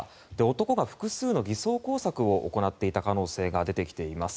男が複数の偽装工作を行っていた可能性が出てきています。